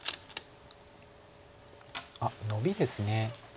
あっノビです。